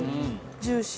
ジューシー。